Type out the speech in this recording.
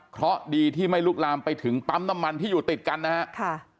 เพราะดีที่ไม่ลุกลามไปถึงปั๊มน้ำมันที่อยู่ติดกันนะครับ